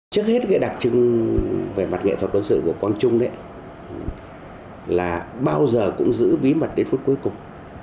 trước hết cái đặc trưng về mặt nghệ thuật quân sự của quang trung là bao giờ cũng giữ bí mật đến phút cuối cùng